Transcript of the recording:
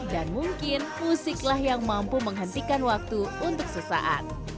dan mungkin musiklah yang mampu menghentikan waktu untuk sesaat